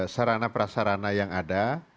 sarana prasarana yang ada